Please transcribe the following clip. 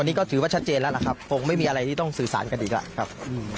อันนี้ก็ถือว่าชัดเจนแล้วล่ะครับคงไม่มีอะไรที่ต้องสื่อสารกันอีกแล้วครับ